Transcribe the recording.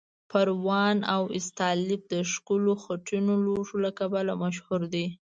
پروان او استالف د ښکلو خټینو لوښو له کبله مشهور دي.